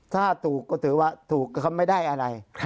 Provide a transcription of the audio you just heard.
ถ้าถูกก็ถือว่าถูกเขาไม่ได้อะไร